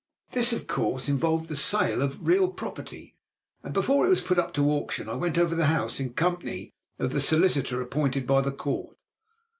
"This, of course, involved the sale of the real property, and before it was put up to auction I went over the house in company of the solicitor appointed by the Court.